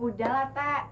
udah lah tak